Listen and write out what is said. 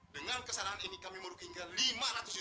dengan kesalahan ini kami merugi hingga lima ratus juta